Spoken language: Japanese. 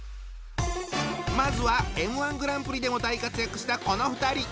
まずはＭ−１グランプリでも大活躍したこの２人。